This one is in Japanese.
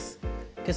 けさ